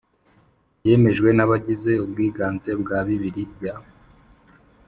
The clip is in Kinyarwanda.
Byemejwe n abagize ubwiganze bwa bibiri bya